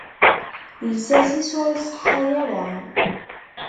Lsas-is ur iṣeḥḥa ara.